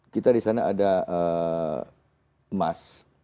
kita disana ada emas